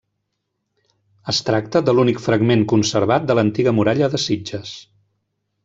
Es tracta de l'únic fragment conservat de l'antiga muralla de Sitges.